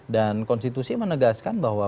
dan konstitusi menegaskan bahwa